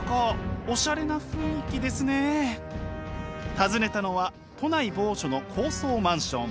訪ねたのは都内某所の高層マンション。